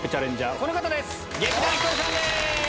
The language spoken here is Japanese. この方です。